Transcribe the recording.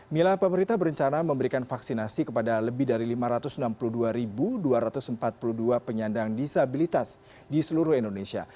mila pemerintah berencana memberikan vaksinasi kepada lebih dari lima ratus enam puluh dua dua ratus empat puluh dua penyandang disabilitas di seluruh indonesia